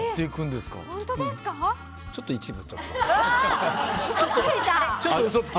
ちょっと一部。